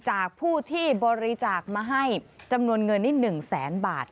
จากผู้ที่บริจาคมาให้จำนวนเงินนี่๑แสนบาท